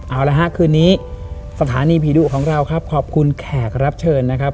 เอาละฮะคืนนี้สถานีผีดุของเราครับขอบคุณแขกรับเชิญนะครับ